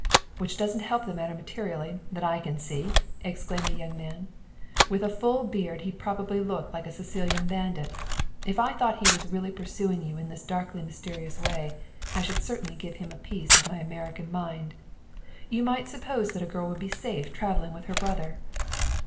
"Which doesn't help the matter materially, that I can see!" exclaimed the young man. "With a full beard he'd probably look like a Sicilian bandit. If I thought he was really pursuing you in this darkly mysterious way I should certainly give him a piece of my American mind. You might suppose that a girl would be safe traveling with her brother."